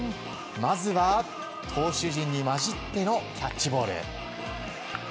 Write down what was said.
まずは投手陣に交じってのキャッチボール。